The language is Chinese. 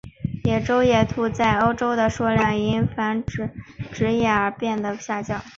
欧洲野兔在欧洲的数量因种植业的变更而下降。